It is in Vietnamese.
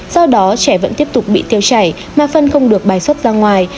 do đó trẻ vẫn tiếp tục bị tiêu chảy mà phân không được bài xuất ra ngoài